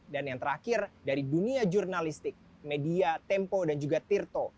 dan yang terakhir dari dunia jurnalistik media tempo dan juga tirto